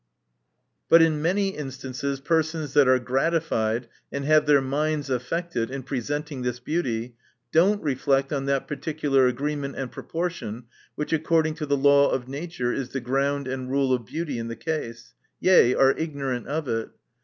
But in many instances persons that are gratified, and have their minds affected, in presenting this beauty, do not reflect on that particular agreement and proportion which, according to the law of nature, is the ground and rule of beauty in the case, yea, are ignorant of it.